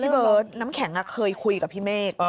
เบิร์ตน้ำแข็งเคยคุยกับพี่เมฆ